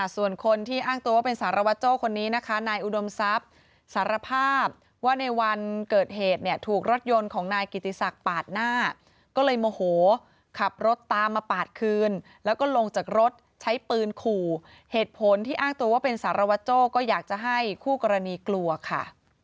ส่วนคนที่อ้างตัวว่าเป็นสารวัตโจ้คนนี้นะคะนายอุดมทรัพย์สารภาพว่าในวันเกิดเหตุเนี่ยถูกรถยนต์ของนายกิติศักดิ์ปาดหน้าก็เลยโมโหขับรถตามมาปาดคืนแล้วก็ลงจากรถใช้ปืนขู่เหตุผลที่อ้างตัวว่าเป็นสารวัตโจ้ก็อยากจะให้คู่กรณีกลัวค่ะ